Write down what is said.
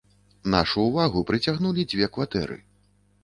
Нашу ўвагу прыцягнулі дзве кватэры.